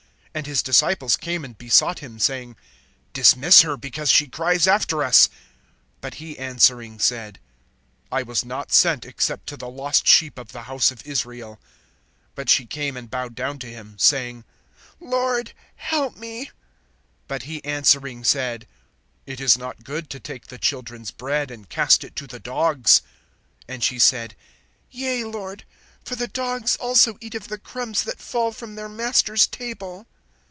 And his disciples came and besought him, saying: Dismiss her; because she cries after us. (24)But he answering said: I was not sent except to the lost sheep of the house of Israel. (25)But she came and bowed down to him, saying: Lord, help me. (26)But he answering said: It is not good to take the children's bread, and cast it to the dogs. (27)And she said: Yea, Lord; for the dogs also eat of the crumbs that fall from their masters' table.